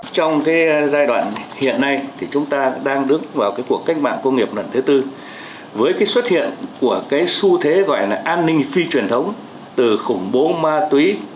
trong giai đoạn hiện nay chúng ta đang đứng vào cuộc cách mạng công nghiệp lần thứ tư với xuất hiện của su thế gọi là an ninh phi truyền thống từ khủng bố ma túy